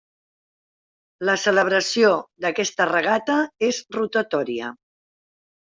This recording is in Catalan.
La celebració d'aquesta regata és rotatòria.